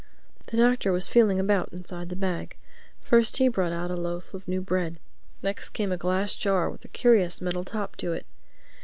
The Doctor was feeling about inside the bag. First he brought out a loaf of new bread. Next came a glass jar with a curious metal top to it.